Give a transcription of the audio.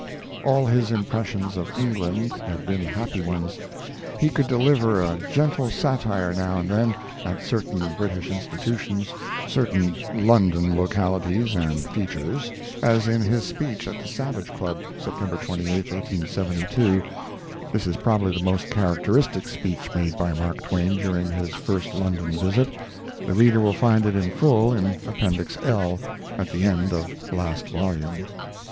All his impressions of England had been happy ones. He could deliver a gentle satire now and then at certain British institutions certain London localities and features as in his speech at the Savage Club, [September 28, 1872. This is probably the most characteristic speech made by Mark Twain during his first London visit; the reader will find it in full in Appendix L, at the end of last volume.